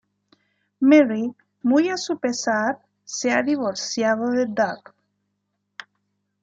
Merry, muy a su pesar, se ha divorciado de Doug.